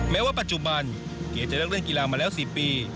แม้ว่าปัจจุบันเก๋จะเลิกเล่นกีฬามาแล้ว๔ปี